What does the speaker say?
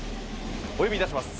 お呼び致します。